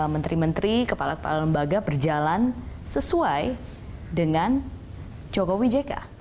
menteri menteri kepala kepala lembaga berjalan sesuai dengan jokowi jk